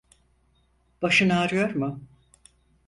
Başın ağrıyor mu?